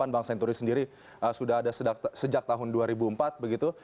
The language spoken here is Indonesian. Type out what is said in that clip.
bank senturi sendiri sudah ada sejak tahun dua ribu empat begitu